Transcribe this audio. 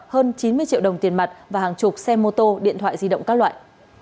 hơn chín mươi triệu đồng tiền mặt và hàng chục xe mô tô điện thoại di động các loại